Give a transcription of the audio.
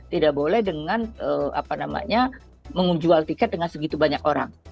tidak boleh dengan apa namanya mengunjual tiket dengan segitu banyak orang